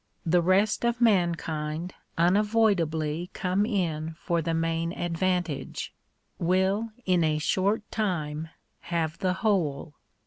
The rest of mankind unavoidably come in for the main advantage — will in a short time have the whole.